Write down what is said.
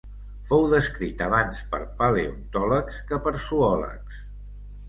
Fou descrit abans per paleontòlegs que per zoòlegs.